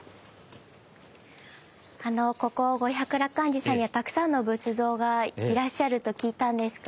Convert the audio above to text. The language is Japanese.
ここ五百羅漢寺さんにはたくさんの仏像がいらっしゃると聞いたんですが。